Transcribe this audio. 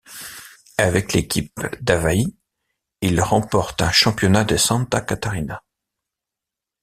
Avec l'équipe d'Avaí, il remporte un championnat de Santa Catarina.